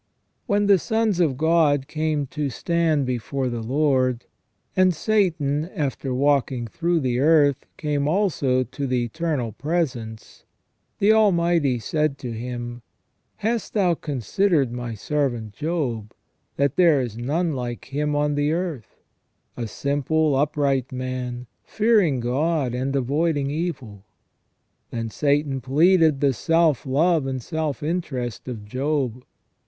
When the sons of God came to stand before the Lord, and Satan, after walking through the earth, came also to the Eternal Presence, the Almighty said to him :" Hast thou considered My servant Job, that there is none like him on the earth, a simple, upright man, fearing God and avoiding evil?" Then Satan pleaded the self love and self interest of Job.